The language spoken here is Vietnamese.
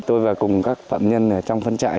tôi và cùng các phạm nhân trong phân trại